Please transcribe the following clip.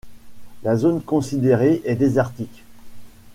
La zone considérée est désertique.